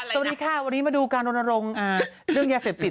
สวัสดีค่ะวันนี้มาดูการรณรงค์เรื่องยาเสพติด